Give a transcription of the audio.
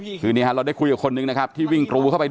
คือนี่ฮะเราได้คุยกับคนนึงนะครับที่วิ่งกรูเข้าไป